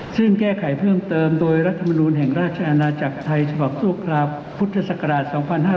ซึ่งแก้ไขเพิ่มเติมโดยรัฐมนูลแห่งราชอาณาจักรไทยฉบับชั่วคราวพุทธศักราช๒๕๕๙